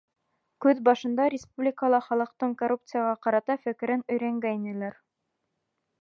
Көҙ башында республикала халыҡтың коррупцияға ҡарата фекерен өйрәнгәйнеләр.